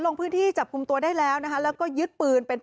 ลงพื้นที่จับคุมตัวได้แล้วแล้วก็ยึดปืน